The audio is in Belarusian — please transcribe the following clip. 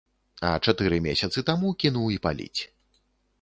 А чатыры месяцы таму кінуў і паліць.